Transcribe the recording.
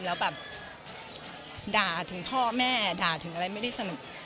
แล้วแบบด่าถึงพ่อแม่ด่าถึงอะไรไม่ได้สนุก